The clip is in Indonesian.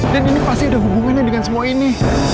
dan ini pasti ada hubungannya dengan semua ini